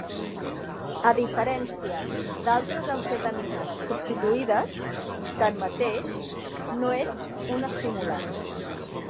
A diferència d'altres amfetamines substituïdes, tanmateix, no és un estimulant.